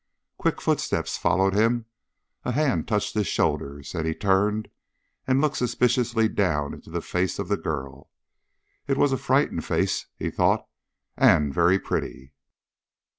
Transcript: Quick footsteps followed him, a hand touched his shoulders, and he turned and looked suspiciously down into the face of the girl. It was a frightened face, he thought, and very pretty.